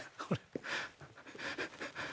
これ。